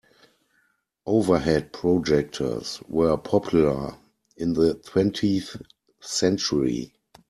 Overhead projectors were popular in the twentieth century.